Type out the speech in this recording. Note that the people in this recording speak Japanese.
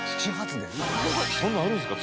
そんなんあるんですか？